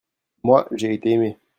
moi, j'ai été aimé.